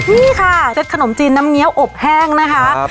นี่ค่ะเซ็ตขนมจีนน้ำเงี้ยวอบแห้งนะคะ